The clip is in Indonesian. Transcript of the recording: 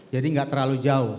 jadi enggak terlalu jauh